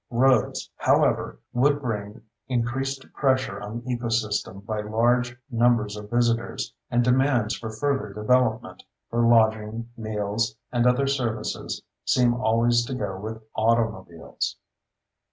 Roads, however, would bring increased pressure on the ecosystem by large numbers of visitors, and demands for further development, for lodging, meals, and other services seem always to go with automobiles.